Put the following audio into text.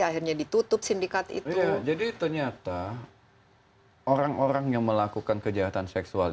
akhirnya ditutup sindikat itu jadi ternyata orang orang yang melakukan kejahatan seksual